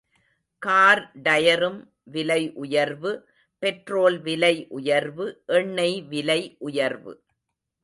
Car டயரும் விலை உயர்வு பெட்ரோல் விலை உயர்வு எண்ணெய் விலை உயர்வு!